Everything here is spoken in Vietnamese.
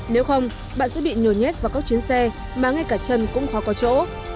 nếu không bạn sẽ bị nhồi nhét vào các chuyến xe mà ngay cả chân cũng khó có chỗ